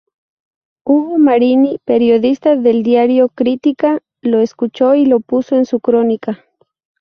Hugo Marini, periodista del diario "Crítica", lo escuchó y lo puso en su crónica.